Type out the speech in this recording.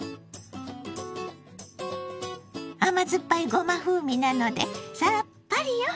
甘酸っぱいごま風味なのでさっぱりよ！